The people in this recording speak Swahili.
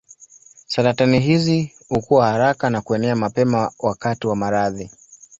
Saratani hizi hukua haraka na kuenea mapema wakati wa maradhi.